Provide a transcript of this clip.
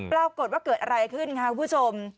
แปลวกฎว่าเกิดอะไรขึ้นค่ะผู้ชม